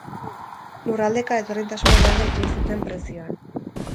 Lurraldeka, ezberdintasunak daude etxebizitzen prezioan.